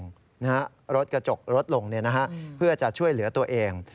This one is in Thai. ประมาณนี้มีกระจกลดลงเพื่อช่วยเหลือตัวเอง